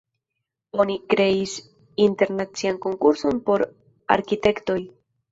Oni kreis internacian konkurson por arkitektoj.